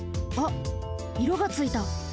あっいろがついた。